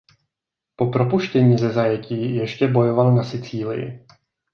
Po propuštění ze zajetí ještě bojoval na Sicílii.